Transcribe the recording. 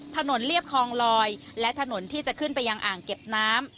เรียบคลองลอยและถนนที่จะขึ้นไปยังอ่างเก็บน้ำ